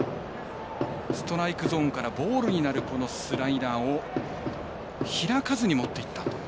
ストライクゾーンからボールになる、スライダーを開かずにもっていったと。